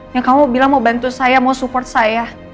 yang kamu bilang mau bantu saya mau support saya